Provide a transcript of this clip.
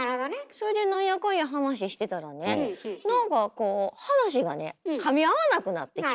それでなんやかんや話してたらね何かこう話がねかみ合わなくなってきて。